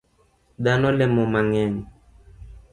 Dhano lemo mang'eny